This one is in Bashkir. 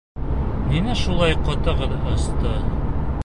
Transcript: Ниңә шулай ҡотоғоҙ осто?